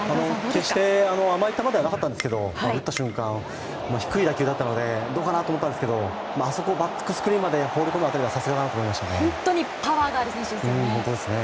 決して甘い球ではなかったんですが打った瞬間、低い打球だったのでどうかなとも思ったんですがあそこ、バックスクリーンまで放り込むのはさすがだなと思いましたね。